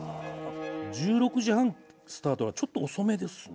１６時半スタートはちょっと遅めですね。